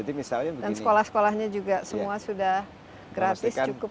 dan sekolah sekolahnya juga semua sudah gratis cukup